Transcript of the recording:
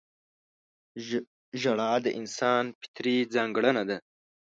• ژړا د انسان فطري ځانګړنه ده.